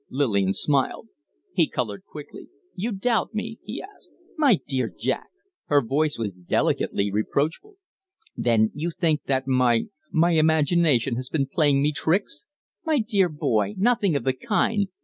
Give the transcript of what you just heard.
Lillian smiled. He colored quickly. "You doubt me?" he asked. "My dear Jack!" Her voice was delicately reproachful. "Then you think that my my imagination has been playing me tricks?" "My dear boy! Nothing of the kind.